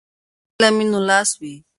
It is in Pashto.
که علم وي نو لاس وي.